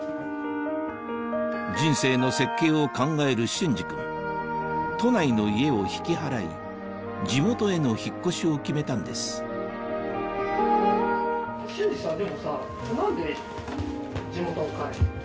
人生の設計を考える隼司君都内の家を引き払い地元への引っ越しを決めたんですで。